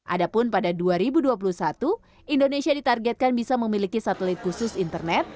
adapun pada dua ribu dua puluh satu indonesia ditargetkan bisa memiliki satelit khusus internet